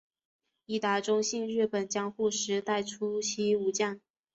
伊达宗信日本江户时代初期武将。